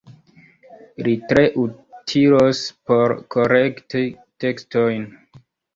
Li tre utilos por korekti tekstojn.